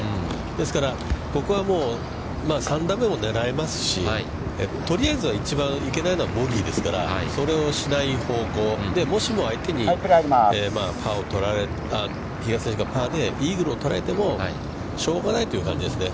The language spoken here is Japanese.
ですから、ここはもう３打目も狙えますし、とりあえずは一番いけないのはボギーですから、それをしない方向で、もしも相手に、比嘉選手がパーで、イーグルを取られても、しょうがないという感じですね。